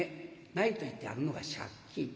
ないと言ってあるのが借金。